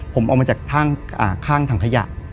ผมออกมาจากข้างถังขยะ